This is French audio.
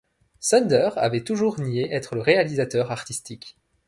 Sander avait toujours nié être le réalisateur artistique.